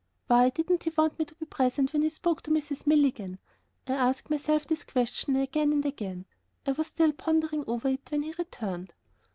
Why didn't he want me to be present when he spoke to Mrs. Milligan? I asked myself this question again and again. I was still pondering over it when he returned.